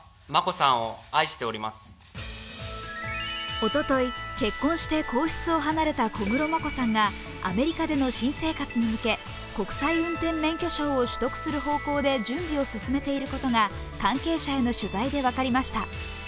おととい、結婚して皇室を離れた小室眞子さんがアメリカでの新生活に向け、国際運転免許証を取得する方向で準備を進めていることが関係者への取材で分かりました。